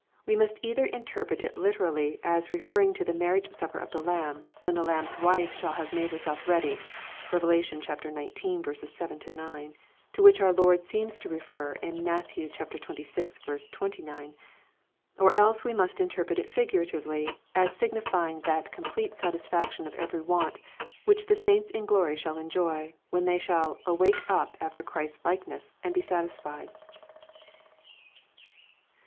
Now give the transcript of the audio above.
We must either interpret it literally, as referring to the marriage supper of the Lamb, when the Lamb's wife shall have made herself ready, (Rev. xix. 7 — 9,) to which our Lord seems to refer in Matt. xxvi. 29. Or else we must interpret it fig uratively, as signifying that complete satisfaction of every want^ which the saints in glory shall enjoy, when they shall " awake up after Christ's Hkeness and be satisfied."